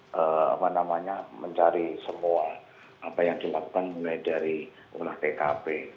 kemudian apa namanya mencari semua apa yang dilakukan mulai dari ulah tkp